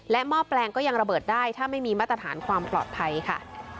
หม้อแปลงก็ยังระเบิดได้ถ้าไม่มีมาตรฐานความปลอดภัยค่ะ